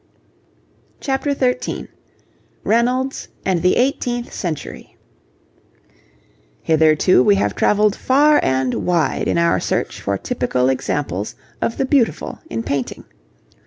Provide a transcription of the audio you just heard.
CHAPTER XIII REYNOLDS AND THE EIGHTEENTH CENTURY Hitherto we have travelled far and wide in our search for typical examples of the beautiful in painting.